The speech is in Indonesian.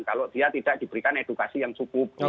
kalau dia tidak diberikan edukasi yang cukup